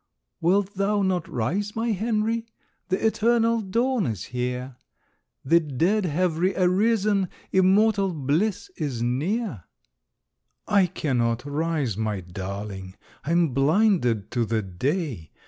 "Wilt thou not rise, my Henry? The eternal dawn is here; The dead have re arisen, Immortal bliss is near." "I cannot rise, my darling, I am blinded to the day.